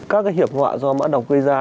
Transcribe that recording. các cái hiệp họa do mã đồng gây ra